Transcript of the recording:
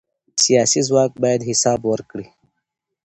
سیاسي ځواک باید حساب ورکړي